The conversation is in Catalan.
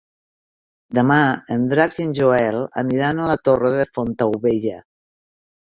Demà en Drac i en Joel aniran a la Torre de Fontaubella.